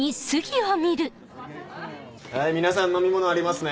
はい皆さん飲み物ありますね？